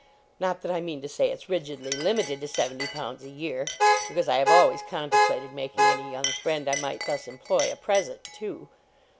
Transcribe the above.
Not that I mean to say it's rigidly limited to seventy pounds a year, because I have always contemplated making any young friend I might thus employ, a present too.